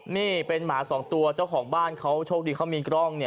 นี่เป็นหมาสองตัวเจ้าของบ้านเขาโชคดีเขามีกล้องเนี่ย